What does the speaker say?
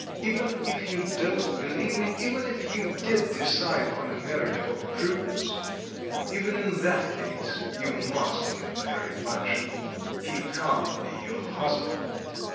Even if you don't believe me, even if you did decide on a marriage of prudence even in that case you mustn't marry Panshin. He can't be your husband.